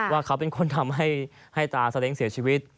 ว่าเขาเป็นคนทำให้ตาเสียชีวิต